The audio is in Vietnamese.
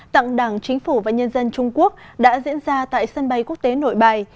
tặng đảng chính phủ và nhân dân trung quốc đã diễn ra tại sân bay quốc tế nội bài